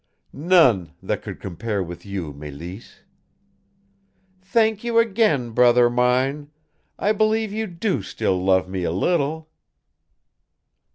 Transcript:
"None that could compare with you, Mélisse." "Thank you again, brother mine! I believe you DO still love me a little."